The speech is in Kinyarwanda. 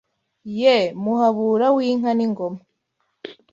Ye Muhabura w’inka n’ingoma